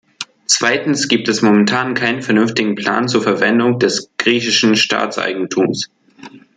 Zweitens gibt es momentan keinen vernünftigen Plan zur Verwendung des griechischen Staatseigentums.